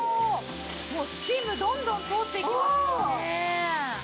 もうスチームどんどん通っていきますもんね。